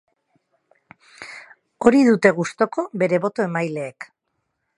Hori dute gustuko bere boto-emaileek.